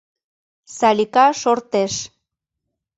Салика шортеш.